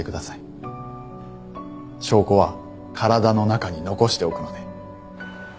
証拠は体の中に残しておくので。